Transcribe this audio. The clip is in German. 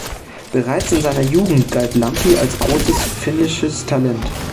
Bereits in seiner Jugend galt Lampi als großes finnisches Talent.